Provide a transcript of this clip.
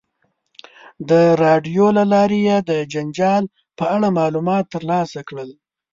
د راډیو له لارې یې د جنجال په اړه معلومات ترلاسه کړل.